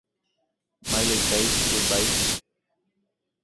Miley Says Goodbye?